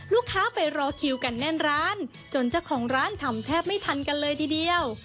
ลูกค้าไปรอคิวกันแน่นร้านจนเจ้าของร้านทำแทบไม่ทันกันเลยทีเดียว